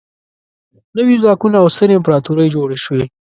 نوي ځواکونه او سترې امپراطورۍ جوړې شوې.